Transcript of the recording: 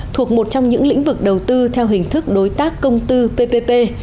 thuộc một trong những lĩnh vực đầu tư theo hình thức đối tác công tư ppp